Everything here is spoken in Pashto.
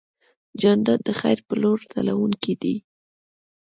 جانداد د خیر په لور تلونکی دی.